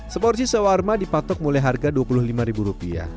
seporsi sawarma dipatok mulai harga rp dua puluh lima